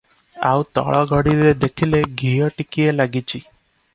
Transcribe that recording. ଆଉତଳ ଘଡ଼ିରେ ଦେଖିଲେ ଘିଅ ଟିକିଏ ଲାଗିଚି ।